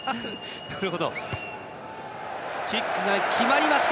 キックが決まりました。